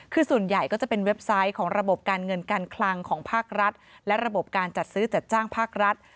คือส่วนใหญ่ก็จะเป็นเว็บไซต์ของระบบการเงินการคลังของภาครัฐและระบบการจัดซื้อจัดจ้างภาครัฐ